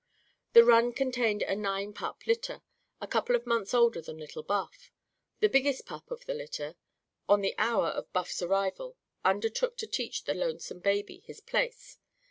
The run contained a nine pup litter, a couple of months older than little Buff. The biggest pup of the litter, on the hour of Buff's arrival, undertook to teach the lonesome baby his place.